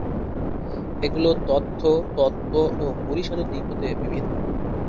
এগুলো তথ্য, তত্ত্ব ও পরিসরের দিকে হতে বিভিন্ন।